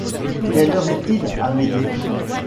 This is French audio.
Quelle heure est-il, Amédée ?